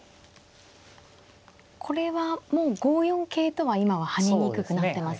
これはもう５四桂とは今は跳ねにくくなってますか。